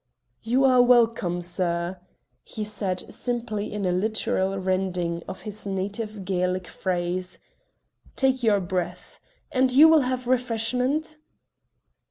"You are welcome, sir," he said simply in a literal rendering of his native Gaelic phrase; "take your breath. And you will have refreshment?"